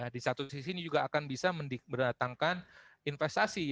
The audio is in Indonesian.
di satu sisi ini juga akan bisa mendatangkan investasi